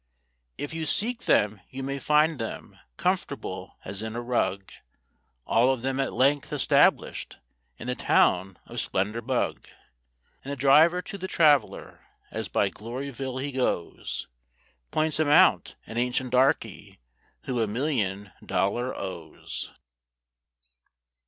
If you seek them you may find them comfortable as in a rug, All of them at length established in the town of Splendourbug; And the driver to the traveller as by Gloryville he goes, Points him out, an ancient darkey who a million dollars owes.